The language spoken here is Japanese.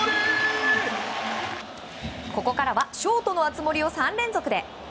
ここからはショートの熱盛を３連続で。